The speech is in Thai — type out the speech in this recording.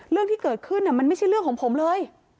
เรื่องที่เกิดขึ้นมันไม่ใช่เรื่องของผมเลย